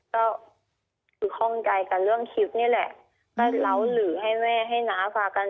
ก็คือข้องใจกันเรื่องคลิปนี่แหละก็เล้าหรือให้แม่ให้น้าพากัน